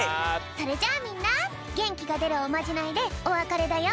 それじゃあみんなげんきがでるおまじないでおわかれだよ！